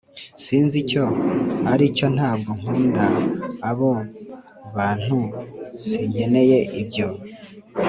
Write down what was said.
sinzi icyo aricyontabwo nkunda abo bantusinkeneye ibyo.